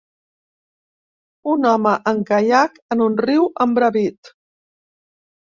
Un home en caiac en un riu embravit.